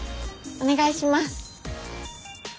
お願いします。